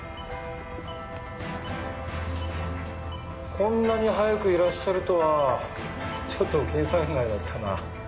こんなに早くいらっしゃるとはちょっと計算外だったな。